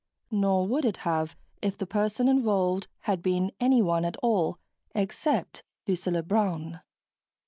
Not would it have, if the person involved had been anyone at all except Lucilla Brown.